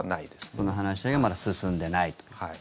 その話し合いはまだ進んでないと。